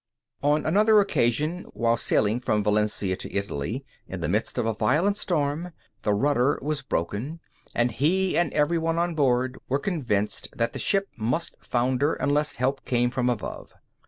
On another occasion, while sailing from Valencia to Italy, in the midst of a violent storm, the rudder was broken, and he and every one on board were convinced that the ship must founder unless help came from above.